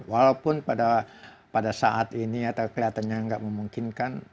walaupun pada saat ini kelihatannya tidak memungkinkan